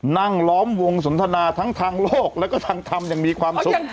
ล้อมวงสนทนาทั้งทางโลกแล้วก็ทางธรรมอย่างมีความสุข